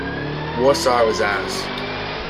Warsaw is ours!